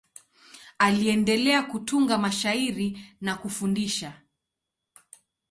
Aliendelea kutunga mashairi na kufundisha.